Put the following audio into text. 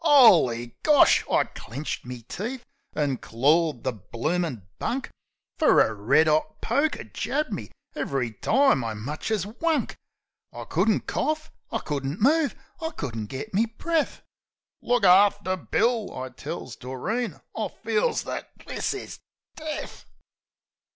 'Oly Gosh! I clinched me teeth, an' clawed the bloomin' bunk; Fer a red 'ot poker jabbed me ev'ry time I much as wunk. I couldn't corf, I couldn't move, I couldn't git me breath. "Look after Bill," I tells Doreen. "I feels that ... this is ... death."